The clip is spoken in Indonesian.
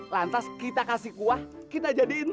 lantas kita kasih kuah kita jadiin